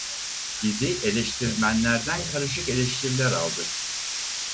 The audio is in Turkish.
Dizi eleştirmenlerden karışık eleştiriler aldı.